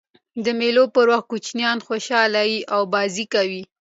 د مېلو په وخت کوچنيان خوشحاله يي او بازۍ کوي.